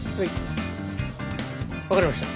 わかりました。